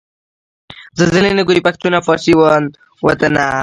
زلزلې نه ګوري پښتون او فارسي وان وطنه